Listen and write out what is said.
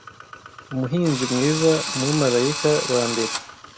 umuhinzi mwiza umumarayika wa mbere